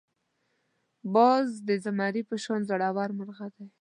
باز د زمري په شان زړور مرغه دی